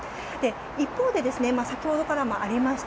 一方で先ほどからもありました